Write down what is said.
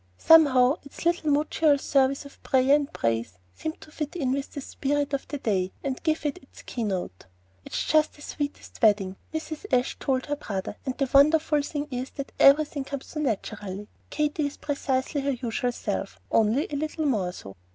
Somehow this little mutual service of prayer and praise seemed to fit in with the spirit of the day, and give it its keynote. "It's just the sweetest wedding," Mrs. Ashe told her brother. "And the wonderful thing is that everything comes so naturally. Katy is precisely her usual self, only a little more so."